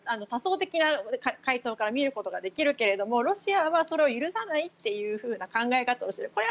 多層的な階層から見ることができるけれどロシアはそれを許さないという考え方をしている。